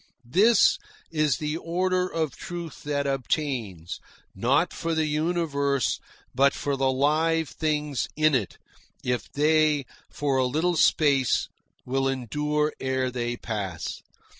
This is the order of truth that obtains, not for the universe, but for the live things in it if they for a little space will endure ere they pass.